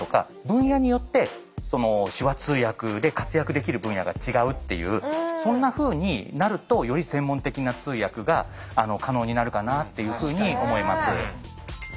分野によって手話通訳で活躍できる分野が違うっていうそんなふうになるとより専門的な通訳が可能になるかなっていうふうに思います。